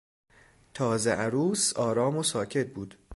تازه عروس آرام و ساکت بود.